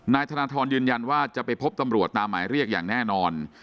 นายธนทรยืนยันว่าจะไปพบตำรวจตามหมายเรียกอย่างแน่นอน